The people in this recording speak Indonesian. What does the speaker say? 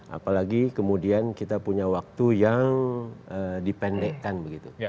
apalagi kemudian kita punya waktu yang dipendekkan begitu